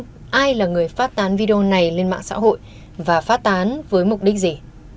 cơ quan chức năng cũng cần xác minh ai là người phát tán video này lên mạng xã hội và phát tán với mục đích gì